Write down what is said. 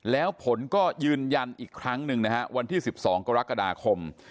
แล้วผลก็ยืนยันอีกครั้งหนึ่งนะฮะวันที่๑๒กรกฎาคม